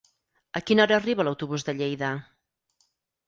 A quina hora arriba l'autobús de Lleida?